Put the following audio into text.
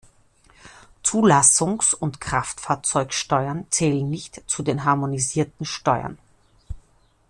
Zulassungs- und Kraftfahrzeugsteuern zählen nicht zu den harmonisierten Steuern.